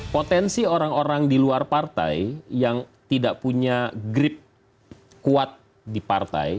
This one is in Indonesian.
potensi orang orang di luar partai yang tidak punya grip kuat di partai